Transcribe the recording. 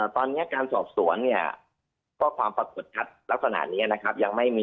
ตอนนี้การสอบสวนเนี่ยก็ความปรากฏคัดลักษณะนี้นะครับ